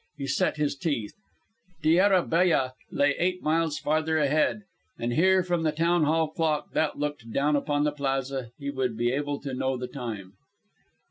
He set his teeth. Terra Bella lay eight miles farther ahead, and here from the town hall clock that looked down upon the plaza he would be able to know the time.